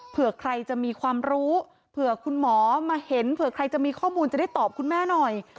เผื่อใครจะมีความรู้เผื่อคุณหมอมาเห็นเผื่อใครจะมีข้อมูลจะได้ตอบคุณแม่หน่อย